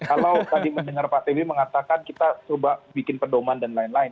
kalau tadi mendengar pak twi mengatakan kita coba bikin pedoman dan lain lain